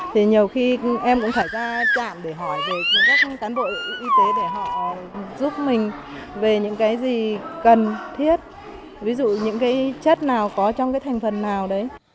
thì nhiều khi em cũng phải ra trạm để hỏi các cán bộ y tế để họ giúp mình về những cái gì cần thiết ví dụ những cái chất nào có trong cái thành phần nào đấy